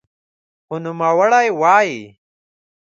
خو نوموړی وايي